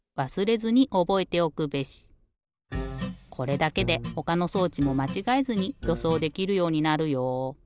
これだけでほかの装置もまちがえずによそうできるようになるよ。